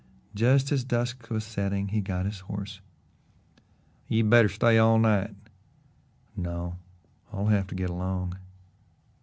Just as dusk was setting he got his horse. "You'd better stay all night." "No, I'll have to get along."